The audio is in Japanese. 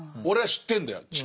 「俺は知ってんだよ。